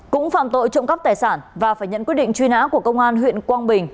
cũng phạm tội trộm cắp tài sản và phải nhận quyết định truy nã của công an huyện quang bình